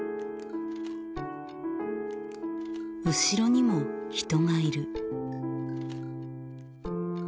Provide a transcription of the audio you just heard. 後ろにも人がいる。